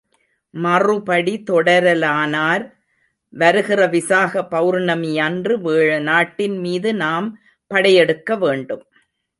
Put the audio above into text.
மறுபடி தொடரலானார் வருகிற விசாக பெளர்ணமியன்று வேழநாட்டின் மீது நாம் படையெடுக்க வேண்டும்.